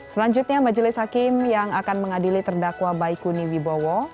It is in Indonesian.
selanjutnya majelis hakim yang akan mengadili terdakwa baikuni wibowo